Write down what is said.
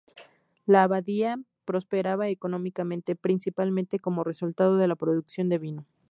La abadía prosperaba económicamente, principalmente como resultado de la producción de vino.